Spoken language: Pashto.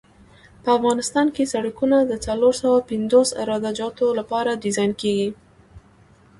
په افغانستان کې سرکونه د څلور سوه پنځوس عراده جاتو لپاره ډیزاین کیږي